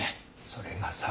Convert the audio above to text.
それがさ